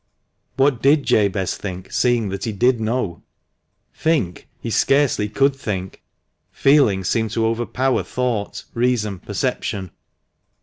What did Jabez think, seeing that he did know ? Think ? He scarcely could think. Feeling seemed to overpower thought, reason, perception.